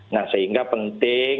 nah sehingga penting